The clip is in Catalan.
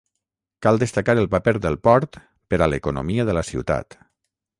Cal destacar el paper del port per a l'economia de la ciutat.